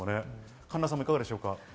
神田さん、いかがですか？